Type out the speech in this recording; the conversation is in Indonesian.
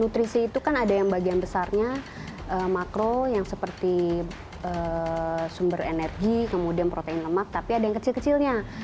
nutrisi itu kan ada yang bagian besarnya makro yang seperti sumber energi kemudian protein lemak tapi ada yang kecil kecilnya